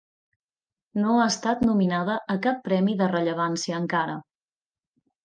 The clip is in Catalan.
No ha estat nominada a cap premi de rellevància encara.